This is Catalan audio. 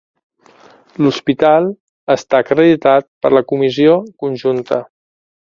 L'hospital està acreditat per la comissió conjunta.